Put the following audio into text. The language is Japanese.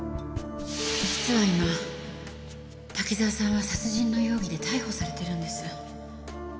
実は今滝沢さんは殺人の容疑で逮捕されてるんです。